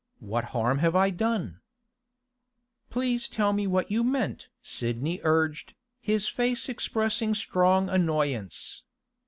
What harm have I done?' 'Please tell me what you meant?' Sidney urged, his face expressing strong annoyance.